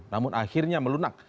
namun akhirnya melunak